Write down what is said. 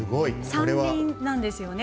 ３輪なんですよね。